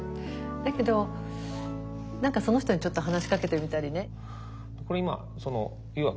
だけど何かその人にちょっと話しかけてみたりね。